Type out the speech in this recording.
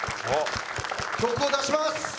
曲を出します。